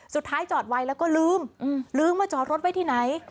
จอดไวแล้วก็ลืมลืมว่าจอดรถไว้ที่ไหน